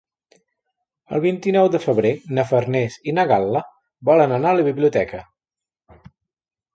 El vint-i-nou de febrer na Farners i na Gal·la volen anar a la biblioteca.